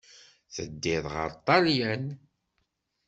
Teddiḍ ɣer Ṭṭalyan.